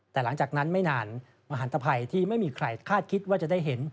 แต่หลังจากนั้นไม่นานมหันตภัยที่ไม่มีใครคาดคิดว่าจะได้เห็น